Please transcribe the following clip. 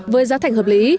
với giá thành hợp lý